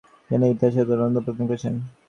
জগতের ইতিহাস ইহার জ্বলন্ত সাক্ষ্য প্রদান করিতেছে।